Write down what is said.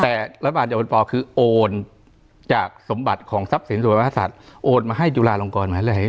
แต่รัฐบาลจะเป็นปอคือโอนจากสมบัติของทรัพย์สินส่วนมหาศัตริย์โอนมาให้จุฬาลงกรมาเลย